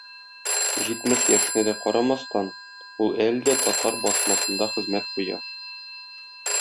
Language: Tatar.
Җитмеш яшенә дә карамастан, ул әле дә татар басмасында хезмәт куя.